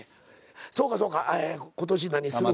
そうかそうか。え今年何するかやな。